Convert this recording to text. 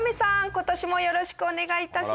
今年もよろしくお願い致します。